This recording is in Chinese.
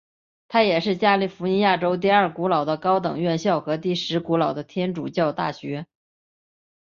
它也是加利福尼亚州第二古老的高等院校和第十古老的天主教大学。